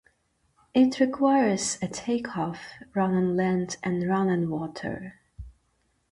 It requires a takeoff run on land and a run on water.